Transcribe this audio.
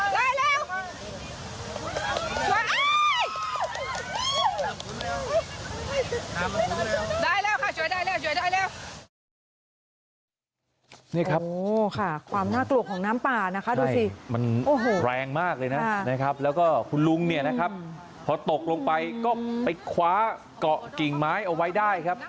นี่นะคะความหน้ากวกของน้ำปลานะมันแรงมากเลยนะแล้วครับแล้วก็คุณลุงตกลงไปไปคว้เกาะกิ่งไม้เอาไว้ได้ครับ